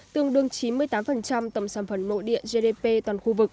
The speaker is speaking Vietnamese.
tương đương chín mươi tám tầm sản phẩm nội địa gdp toàn khu vực